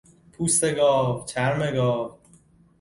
پوست گاو، چرم گاو